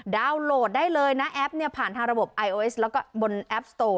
โหลดได้เลยนะแอปเนี่ยผ่านทางระบบไอโอเอสแล้วก็บนแอปสโต